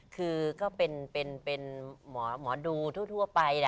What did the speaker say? คือก็เป็นหมอดูทั่วไป